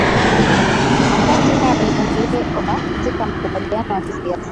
masharti haya yaliondolewa katika makubaliano ya kisiasa